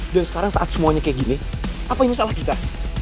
dan sekarang saat semuanya kayak gini apa ini salah kita